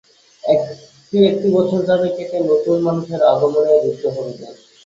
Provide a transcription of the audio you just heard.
একটি একটি বছর যাবে কেটে, নতুন মানুষের আগমনে ঋদ্ধ হবে দেশ।